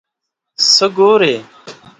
څه ګورې ؟